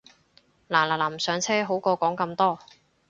嗱嗱臨上車好過講咁多